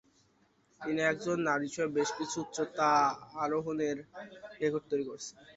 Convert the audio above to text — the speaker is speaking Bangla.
তিনি একজন নারী হিসেবে বেশ কিছু উচ্চতা আরোহণের রেকর্ড তৈরি করেছেন।